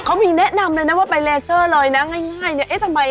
เขามีแนะนำเลยนะว่าไปเลเซอร์เลยนะง่ายเนี่ย